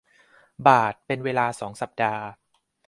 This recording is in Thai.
บาทเป็นเวลา สอง สัปดาห์